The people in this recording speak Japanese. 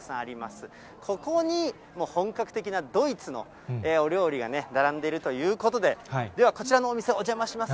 そこに本格的なドイツのお料理が並んでいるということで、ではこちらのお店、お邪魔します。